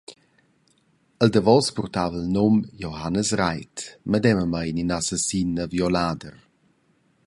Il davos purtava il num Johannes Reidt, medemamein in assassin e violader.